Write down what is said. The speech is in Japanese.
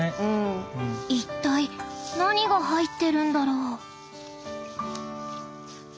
一体何が入ってるんだろう？